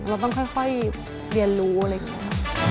เราต้องค่อยเรียนรู้อะไรอย่างนี้